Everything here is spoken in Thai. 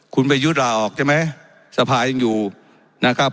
คุณประยุทธ์ลาออกใช่ไหมสภายังอยู่นะครับ